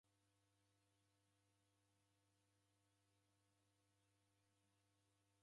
Isanga jedu jaw'ialwa na makongo ghebwagha.